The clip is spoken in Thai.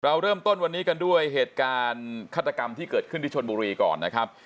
เราเริ่มต้นวันนี้กันด้วยเหตุการณ์ฆาตกรรมที่เกิดขึ้นที่ชนบุรีก่อนนะครับ